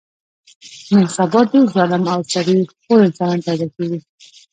نن سبا ډېر ظالم او سړي خور انسانان پیدا کېږي.